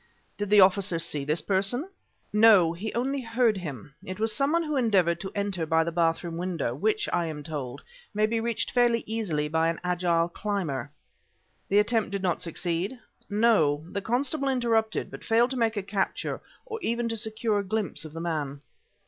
"Did the officer see this person?" "No; he only heard him. It was some one who endeavored to enter by the bathroom window, which, I am told, may be reached fairly easily by an agile climber." "The attempt did not succeed?" "No; the constable interrupted, but failed to make a capture or even to secure a glimpse of the man."